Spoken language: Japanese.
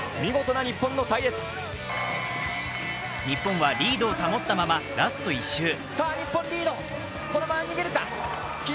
日本はリードを保ったままラスト１周。